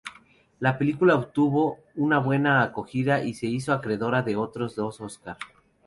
La película obtuvo una buena acogida y se hizo acreedora de otros dos Óscar.